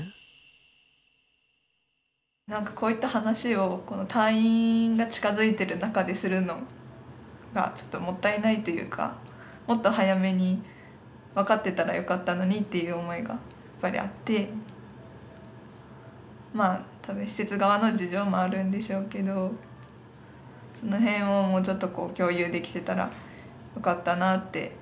こういった話を退院が近づいている中でするのがもったいないというかもっと早めに分かってたらよかったのにという思いがやっぱりあって施設側の事情もあるんでしょうけどその辺をもうちょっと共有できてたらよかったなって。